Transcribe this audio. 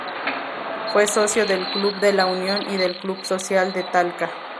Fue socio del Club de La Unión y del Club Social de Talca.